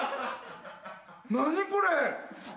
何これ！？